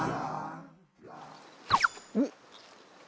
おっ！